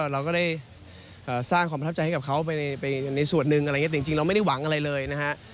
เราก็ได้สร้างความประทับใจให้กับเขาในส่วนหนึ่งอะไรอย่างนี้แต่จริงเราไม่ได้หวังอะไรเลยนะฮะ